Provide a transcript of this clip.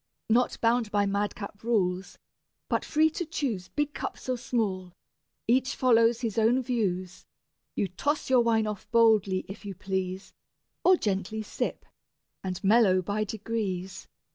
Not bound by mad cap rules, but free to choose Big cups or small, each follows his own views: You toss your wine off boldly, if you please, Or gently sip, and mellow by degrees.